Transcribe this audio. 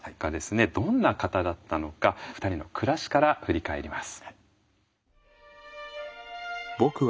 どんな方だったのか二人の暮らしから振り返ります。